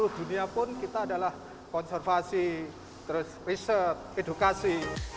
seluruh dunia pun kita adalah konservasi terus riset edukasi